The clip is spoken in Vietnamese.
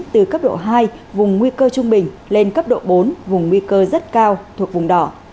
từ cấp độ hai vùng nguy cơ trung bình lên cấp độ bốn vùng nguy cơ rất cao thuộc vùng đỏ